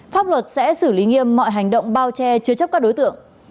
pháp luật sẽ xử lý nghiêm mọi hành động bao che chứa chấp các đối tượng